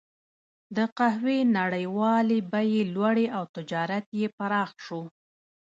د قهوې نړیوالې بیې لوړې او تجارت یې پراخ شو.